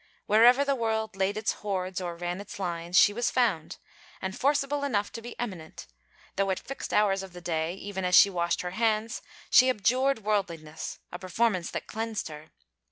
Wherever the world laid its hoards or ran its lines, she was found, and forcible enough to be eminent; though at fixed hours of the day, even as she washed her hands, she abjured worldliness: a performance that cleansed her.